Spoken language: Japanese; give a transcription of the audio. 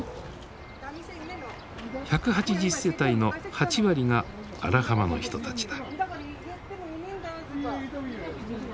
１８０世帯の８割が荒浜の人たちだ。